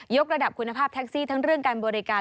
กระดับคุณภาพแท็กซี่ทั้งเรื่องการบริการ